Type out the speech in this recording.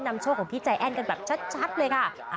โชคของพี่ใจแอ้นกันแบบชัดเลยค่ะ